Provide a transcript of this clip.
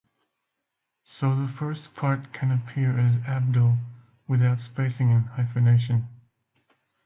So the first part can appear as Abdel, without spacing and hyphenation.